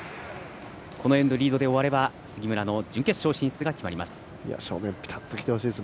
このエンド、リードで終われば杉村、準決勝進出です。